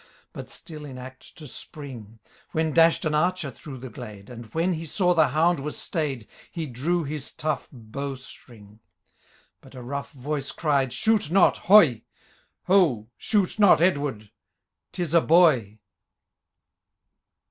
But still in act to spring ; When dash'd an archer through the glade. And when he saw the hound was stayed. He drew his tcmgh bow string ; But a rough voice cried, " Shoot not, hoy I Ho I shoot not, Edward—Tis a boy